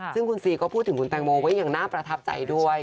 ซึ่งคุณสีเขาพูดถึงคุณแต้งโมก็อย่างน่าประทับใจด้วย